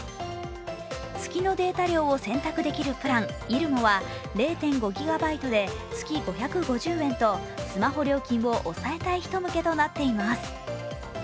月のデータ量を選択できるプランｉｒｕｍｏは０．５ＧＢで月５５０円とスマホ料金を抑えたい人向けとなっています。